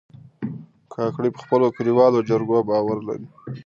کاکړي په خپلو کلیوالو جرګو باور لري.